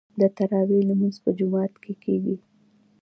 د تراويح لمونځ په جومات کې کیږي.